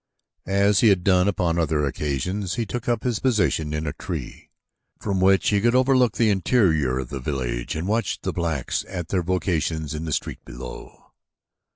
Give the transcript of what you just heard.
As he had done upon other occasions he took up his position in a tree from which he could overlook the interior of the village and watch the blacks at their vocations in the street below.